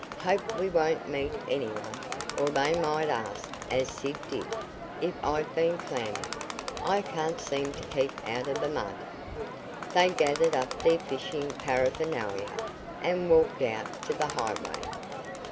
Hope we won't meet anyone, or they might ask, as Sid did, if I'd been clamming. I can't seem to keep out of the mud." They gathered up their fishing paraphernalia and walked out to the highway.